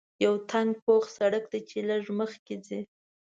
یو تنګ پوخ سړک دی چې لږ مخکې ځې.